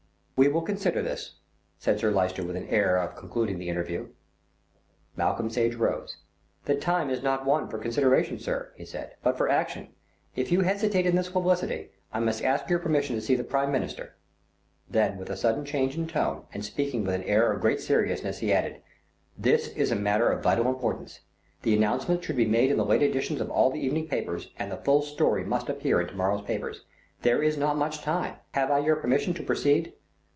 "We will consider this," said Sir Lyster with an air of concluding the interview. Malcolm Sage rose. "The time is not one for consideration, sir," he said, "but for action. If you hesitate in this publicity, I must ask your permission to see the Prime Minister;" then with a sudden change of tone and speaking with an air of great seriousness he added, "This is a matter of vital importance. The announcement should be made in the late editions of all the evening papers, and the full story must appear in to morrow's papers. There is not much time. Have I your permission to proceed?"